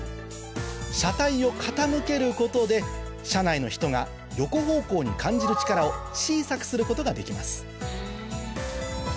車体を傾けることで車内の人が横方向に感じる力を小さくすることができます